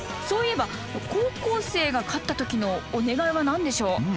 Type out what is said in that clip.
そういえば高校生が勝った時のお願いは何でしょう？